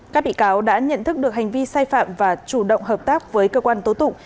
các bị cáo đã nhận thức được hành vi sai phạm và chủ động hợp tác với cơ quan tố tụng